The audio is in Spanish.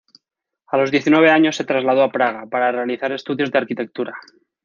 A los diecinueve años se trasladó a Praga para realizar estudios de Arquitectura.